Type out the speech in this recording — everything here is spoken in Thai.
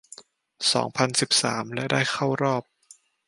สองพันสิบสาม และได้เข้ารอบ